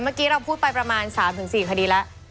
เมื่อกี้เราพูดไป๓ถึง๔คดีแล้ว